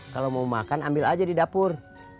kalau mau makan ambil aja di dapur